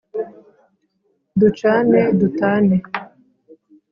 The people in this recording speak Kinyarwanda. ducane dutane!”